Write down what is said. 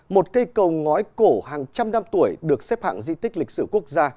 một cây cầu ngói cổ hàng trăm năm tuổi được xếp hạng di tích lịch sử quốc gia